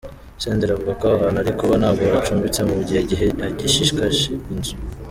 Senderi avuga ko ahantu ari kuba nabwo acumbitse mu gihe gihe agishakisha inzu.